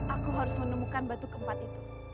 aku harus menemukan batu keempat itu